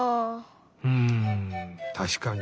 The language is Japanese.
うんたしかに。